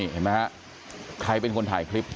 เห็นไหมฮะใครเป็นคนถ่ายคลิป